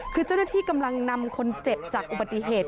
คือเจ้าหน้าที่กำลังนำคนเจ็บจากอุบัติเหตุ